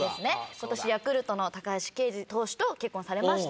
今年ヤクルトの高橋奎二投手と結婚されました。